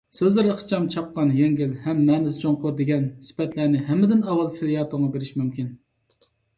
سۆزلىرى ئىخچام، چاققان، يەڭگىل ھەم مەنىسى چوڭقۇر دېگەن سۈپەتلەرنى ھەممىدىن ئاۋۋال فېليەتونغا بېرىش مۇمكىن.